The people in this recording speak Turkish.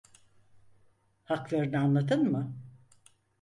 Haklarını anladın mı?